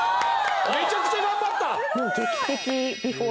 めちゃくちゃ頑張った！